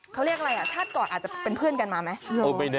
เขาเรียกอะไรอ่ะชาติก่อนอาจจะเป็นเพื่อนกันมาไหม